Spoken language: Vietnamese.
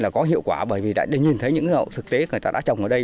là có hiệu quả bởi vì đã nhìn thấy những hậu thực tế người ta đã trồng ở đây